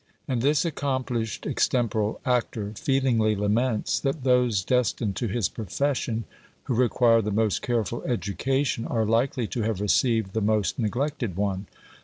And this accomplished extemporal actor feelingly laments that those destined to his profession, who require the most careful education, are likely to have received the most neglected one.